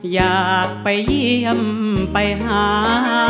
อยากไปเยี่ยมไปหา